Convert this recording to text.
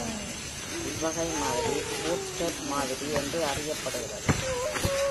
இவ்வகை மாதிரி bootstrap மாதிரி என்று அறியப்படுகின்றது.